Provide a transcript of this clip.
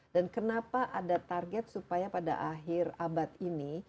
dan kenapa ada target supaya pada akhir abad ini